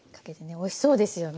おいしそうですよね。